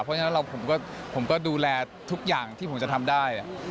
เพราะฉะนั้นผมก็ดูแลทุกอย่างที่ผมจะทำได้